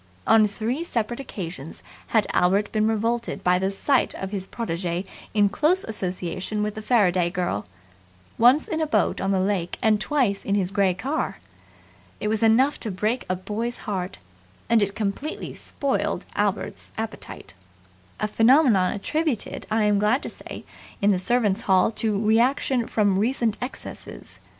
On three separate occasions had Albert been revolted by the sight of his protege in close association with the Faraday girl once in a boat on the lake and twice in his grey car. It was enough to break a boy's heart; and it completely spoiled Albert's appetite a phenomenon attributed, I am glad to say, in the Servants' Hall to reaction from recent excesses.